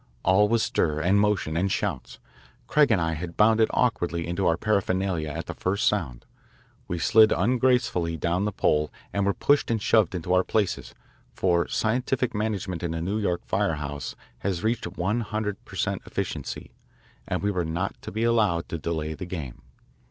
All was stir, and motion, and shouts. Craig and I had bounded awkwardly into our paraphernalia at the first sound. We slid ungracefully down the pole and were pushed and shoved into our places, for scientific management in a New York fire house has reached one hundred per cent efficiency, and we were not to be allowed to delay the game.